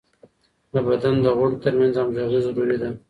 د بدن د غړو ترمنځ همږغي ضروري ده.